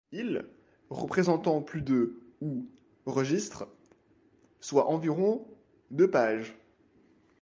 Ils représentant plus de ou registres, soit environ de pages.